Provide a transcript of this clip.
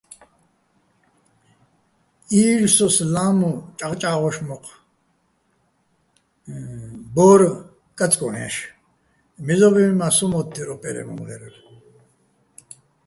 ი́ლსოს ლა́მუ ჭაღჭა́ღოშ მოჴ ბო́რ კაწკო́ჼ ჲაშ, მეზო́ბლინ მა́ მო́თთერ, სო ჲარასო̆ ო́პერეჼ მომღე́რალ.